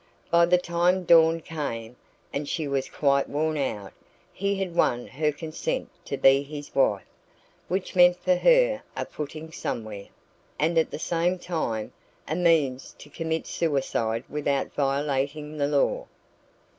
By the time dawn came, and she was quite worn out, he had won her consent to be his wife, which meant for her a footing somewhere, and at the same time a means to commit suicide without violating the law.